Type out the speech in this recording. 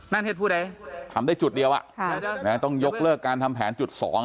การทำได้จุดเดียวอ่ะต้องยกเลิกการทำแผนจุด๒